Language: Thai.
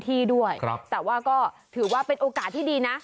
ที่ด้วยแต่ว่าก็ถือว่าเป็นโอกาสที่ดีนะ